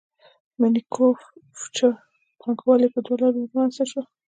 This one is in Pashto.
مینوفکچور پانګوالي په دوو لارو رامنځته شوه